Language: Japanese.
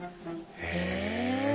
へえ。